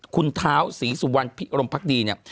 คุณเท้าศรีสุวรรณพิรมพักดีเนี่ย